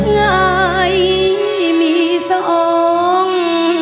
ไงมีสอง